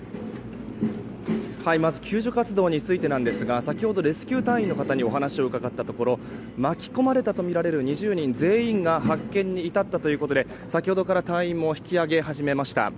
まず救助活動についてですが先ほどレスキュー隊員の方にお話を伺ったところ巻き込まれたとみられる２０人全員が発見に至ったということで先ほどから隊員も引き上げ始めました。